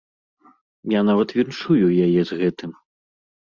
Я нават віншую яе з гэтым.